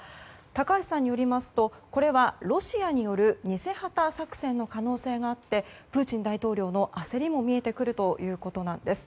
高橋さんによりますとこれはロシアによる偽旗作戦の可能性があってプーチン大統領の焦りも見えてくるということです。